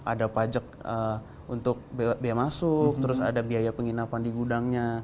ada pajak untuk biaya masuk terus ada biaya penginapan di gudangnya